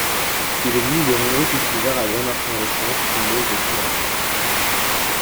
Il existe de nombreux cultivars à grandes inflorescences plumeuses de couleur rose.